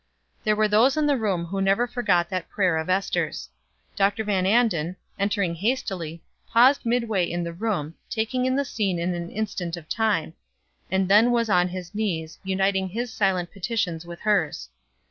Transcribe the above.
There were those in the room who never forgot that prayer of Ester's. Dr. Van Anden, entering hastily, paused midway in the room, taking in the scene in an instant of time, and then was on his knees, uniting his silent petitions with hers.